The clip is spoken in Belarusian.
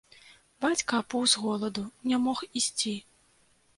Бацька апух з голаду, не мог ісці.